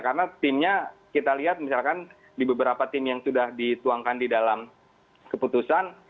karena timnya kita lihat misalkan di beberapa tim yang sudah dituangkan di dalam keputusan